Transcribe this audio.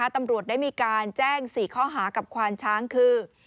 ตำรวจได้มีการแจ้ง๔ข้อหากับควานช้างคือ